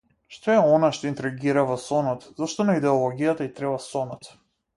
Што е она што интригира во сонот, зошто на идеологијата и треба сонот?